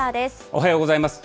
おはようございます。